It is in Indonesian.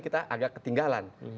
kita agak ketinggalan